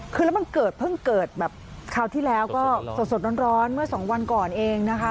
คือแล้วมันเกิดเพิ่งเกิดแบบคราวที่แล้วก็สดร้อนเมื่อสองวันก่อนเองนะคะ